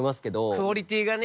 クオリティーがね。